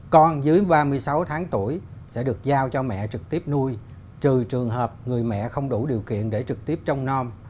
con dưới ba mươi sáu tháng tuổi sẽ được giao cho mẹ trực tiếp nuôi trừ trường hợp người mẹ không đủ điều kiện để trực tiếp trong non